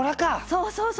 そうそうそう。